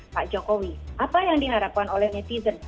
pak jokowi apa yang diharapkan oleh netizen